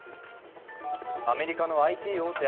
アメリカのＩＴ大手